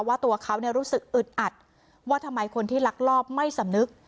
ว่าตัวเขารู้สึกอึดอัดว่าทำไมคนที่ลักลอบไม่สำนึก